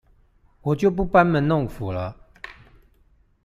我就不班門弄斧了